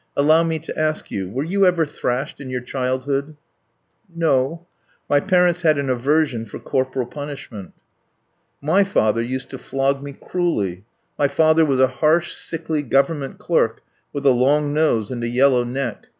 Allow me to ask you, were you ever thrashed in your childhood?" "No, my parents had an aversion for corporal punishment." "My father used to flog me cruelly; my father was a harsh, sickly Government clerk with a long nose and a yellow neck.